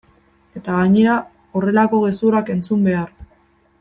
Eta gainera horrelako gezurrak entzun behar!